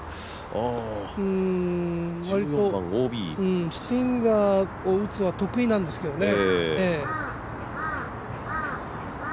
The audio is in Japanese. わりと、スティンガーを打つのは得意なんですけどね。